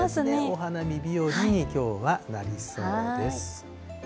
お花見日和にきょうはなりそうです。